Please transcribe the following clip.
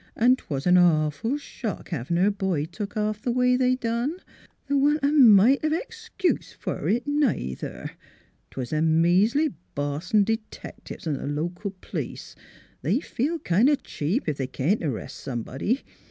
An' 'twas 'n' awful shock havin' her boy took off th' way they done. ... Th' wa'n't a mite of ex cuse f'r it, neither. 'Twas them measly Boston d'tectives 'n' th' local p'lice. They feel kind o' cheap ef they can't arrest somebody.